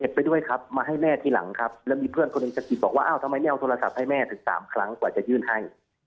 ไปด้วยครับมาให้แม่ทีหลังครับแล้วมีเพื่อนคนหนึ่งสะกิดบอกว่าอ้าวทำไมไม่เอาโทรศัพท์ให้แม่ถึง๓ครั้งกว่าจะยื่นให้